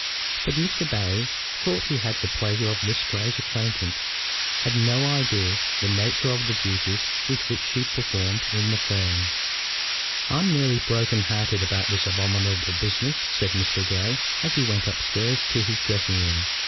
But Mr. Barry, though he had the pleasure of Miss Grey's acquaintance, had no idea of the nature of the duties which she performed in the firm. "I'm nearly broken hearted about this abominable business," said Mr. Grey, as he went upstairs to his dressing room.